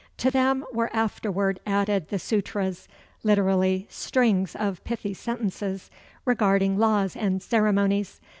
To them were afterward added the Sutras, literally "Strings of pithy sentences" regarding laws and ceremonies.